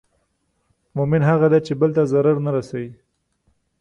مؤمن هغه دی چې بل ته ضرر نه رسوي.